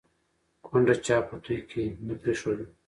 ـ کونډه چا په توى کې نه پرېښوده